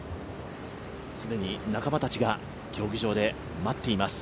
既に仲間たちが競技場で待っています。